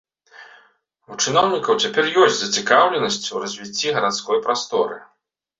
У чыноўнікаў цяпер ёсць зацікаўленасць у развіцці гарадской прасторы.